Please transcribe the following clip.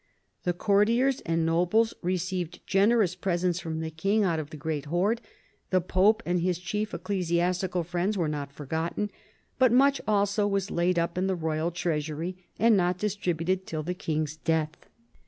The courtiers and nobles received generous presents from the king out of the great hoard ; the pope and his chief ecclesi astical friends were not forgotten, but much also was laid up in the royal treasury and not distributed till the king's death.